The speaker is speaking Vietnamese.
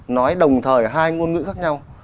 nói đồng thời hai ngôn ngữ khác nhau